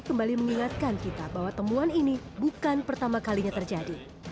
kembali mengingatkan kita bahwa temuan ini bukan pertama kalinya terjadi